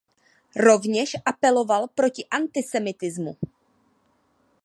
Rovněž apeloval proti antisemitismu.